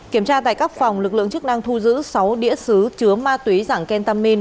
kiểm tra tại các phòng lực lượng chức năng thu giữ sáu đĩa xứ chứa ma túy dạng kentamin